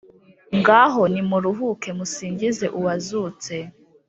ngaho nimuruhuke, musingize uwazutse.